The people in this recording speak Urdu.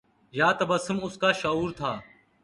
یا تبسم اُسکا شعور تھا